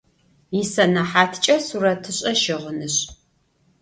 Исэнэхьаткӏэ сурэтышӏэ-щыгъынышӏ.